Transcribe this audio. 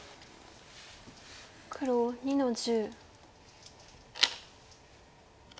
黒２の十。